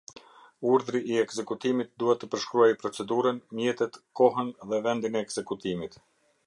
Urdhri i ekzekutimit duhet të përshkruajë procedurën, mjetet, kohën dhe vendin e ekzekutimit.